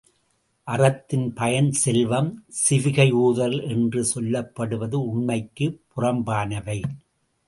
அறத்தின் பயன் செல்வம், சிவிகையூர்தல் என்று சொல்லப்படுவது உண்மைக்குப் புறம்பானவை.